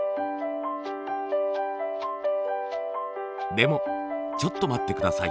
でもちょっと待って下さい。